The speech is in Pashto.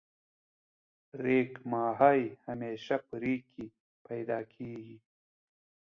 ریګ ماهی همیشه په ریګ کی پیدا کیږی.